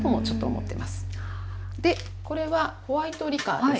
これはホワイトリカーです。